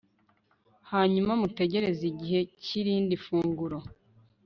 hanyuma mutegereze igihe cyirindi funguro